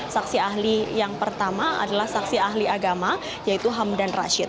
saksi ahli yang pertama adalah saksi ahli agama yaitu hamdan rashid